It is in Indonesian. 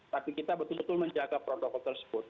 tapi kita betul betul menjaga protokol tersebut